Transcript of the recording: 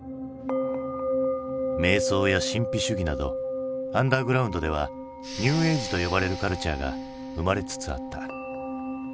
めい想や神秘主義などアンダーグラウンドではニューエイジと呼ばれるカルチャーが生まれつつあった。